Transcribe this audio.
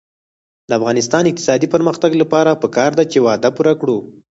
د افغانستان د اقتصادي پرمختګ لپاره پکار ده چې وعده پوره کړو.